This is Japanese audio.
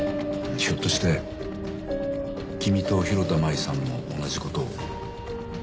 ひょっとして君と広田舞さんも同じ事を？